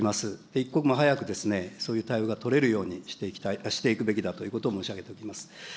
一刻も早くそういう対応が取れるようにしていくべきだということを申し上げておきます。